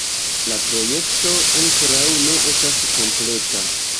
La projekto ankoraŭ ne estas kompleta.